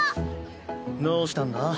どうしたんだ？